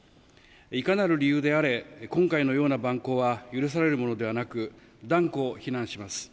いかなる理由であれ、今回のような蛮行は許されるものではなく、断固非難します。